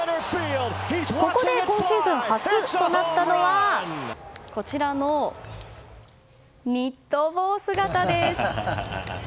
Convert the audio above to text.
ここで今シーズン初となったのはこちらのニット帽姿です。